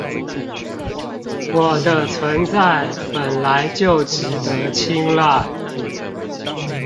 我的存在本來就值得青睞